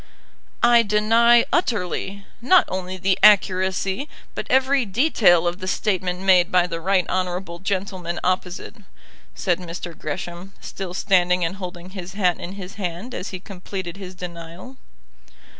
"I deny utterly, not only the accuracy, but every detail of the statement made by the right honourable gentleman opposite," said Mr. Gresham, still standing and holding his hat in his hand as he completed his denial.